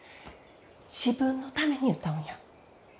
自分のために歌うんや。